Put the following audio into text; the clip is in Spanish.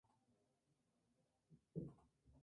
Actualmente su pareja es Carolina Cotapos.